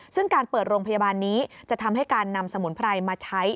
ซึ่งการเปิดโรงพยาบาลนี้จะทำให้การนำสมุนไพรมาใช้